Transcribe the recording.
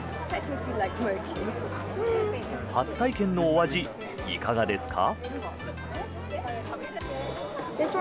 初体験のお味、いかがですか？